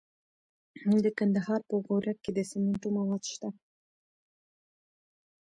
د کندهار په غورک کې د سمنټو مواد شته.